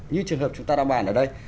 như trường hợp chúng ta đang bàn ở đây